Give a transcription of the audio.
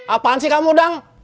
apaan sih kamu dang